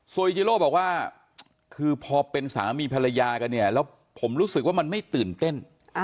จิโร่บอกว่าคือพอเป็นสามีภรรยากันเนี่ยแล้วผมรู้สึกว่ามันไม่ตื่นเต้น